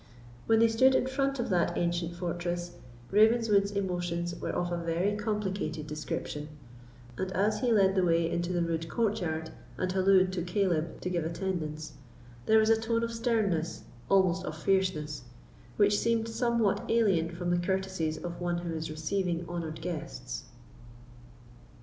When they stood in front of that ancient fortress, Ravenswood's emotions were of a very complicated description; and as he led the way into the rude courtyard, and hallooed to Caleb to give attendance, there was a tone of sternness, almost of fierceness, which seemed somewhat alien from the courtesies of one who is receiving honoured guests.